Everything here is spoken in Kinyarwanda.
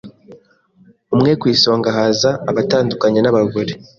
umwe ku isonga haza abatandukanye n’abagore